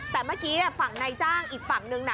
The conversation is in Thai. แต่เมื่อกี้ฝั่งนายจ้างอีกฝั่งนึงนะ